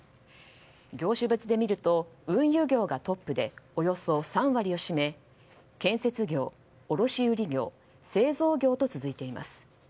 業種別で見ると運輸業がトップでおよそ３割を占め建設業、卸売業製造業と続いています。